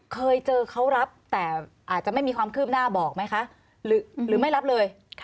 เคยเจอเขารับแต่อาจจะไม่มีความคืบหน้าบอกไหมคะหรือไม่รับเลย